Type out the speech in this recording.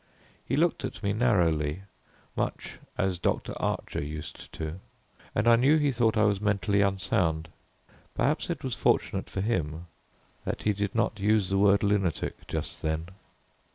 He looked at me narrowly, much as Doctor Archer used to, and I knew he thought I was mentally unsound. Perhaps it was fortunate for him that he did not use the word lunatic just then.